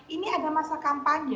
ini ada masa kampanye